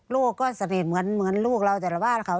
ลูกก็สนิทเหมือนลูกเราแต่ละบ้านเขา